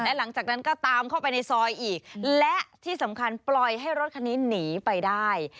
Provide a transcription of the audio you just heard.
และหลังจากนั้นก็ตามเข้าไปในซอยอีกและที่สำคัญปล่อยให้รถคันนี้หนีไปได้